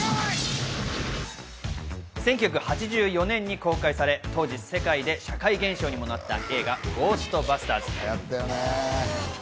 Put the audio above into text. １９８４年に公開され、当時、世界で社会現象にもなった映画『ゴーストバスターズ』。